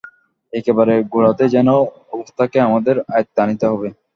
একেবারে গোড়াতেই যেন অবস্থাকে আমাদের আয়ত্তে আনিতে হইবে।